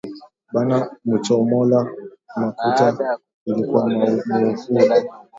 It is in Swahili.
Bana muchomola makuta ilikuwa muufuko